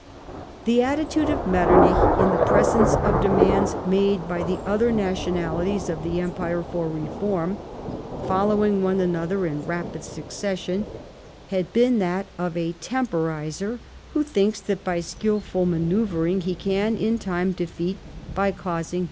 The attitude of Metternich in the presence of de mands made by the other nationalities of the Empire for reform, following one another in rapid succession, had been that of a temporiser who thinks that by skilful manceuvring, he can, in time, defeat, by causing K 178 LIFE OF PRINCE METTEBNICH.